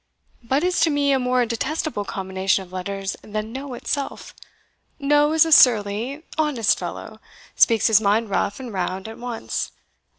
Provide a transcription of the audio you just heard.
But is to me a more detestable combination of letters than no itself.No is a surly, honest fellow speaks his mind rough and round at once.